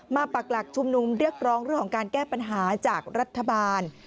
ปรักหลักชุมนุมเรียกร้องเรื่องของการแก้ปัญหาจากรัฐบาล